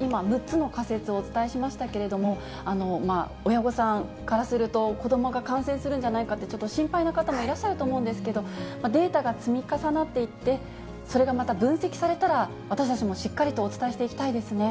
今、６つの仮説をお伝えしましたけれども、親御さんからすると、子どもが感染するんじゃないかって、ちょっと心配な方もいらっしゃると思うんですけれども、データが積み重なっていって、それがまた分析されたら、私たちもしっかりとお伝えしていきたいですね。